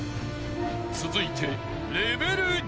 ［続いて］